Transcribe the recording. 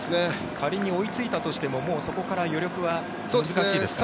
仮に追いついたとしてもそこから余力は難しいですか。